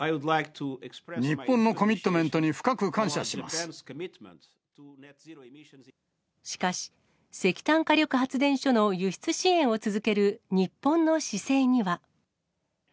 日本のコミットメントに深くしかし、石炭火力発電所の輸出支援を続ける日本の姿勢には。